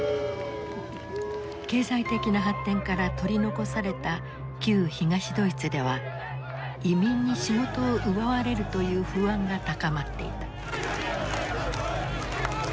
経済的な発展から取り残された旧東ドイツでは移民に仕事を奪われるという不安が高まっていた。